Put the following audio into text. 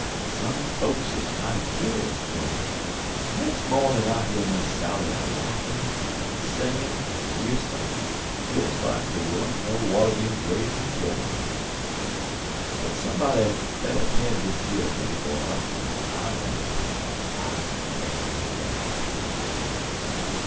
Some fokes is mighty cu'us, dough. Nex' mornin' I hear Miss Sally a laughin', an' singin' an' a w'isslin' des like dey want no watermillions raise in Flurridy. But somebody better pen dis yer nigger boy up w'en I'm on de town I kin tell you dat."